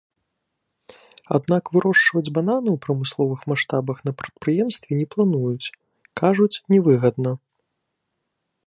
Аднак вырошчваць бананы ў прамысловых маштабах на прадпрыемстве не плануюць, кажуць, не выгадна.